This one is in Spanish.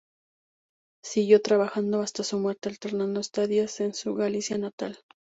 Siguió trabajando hasta su muerte, alternando estadías en su Galicia natal.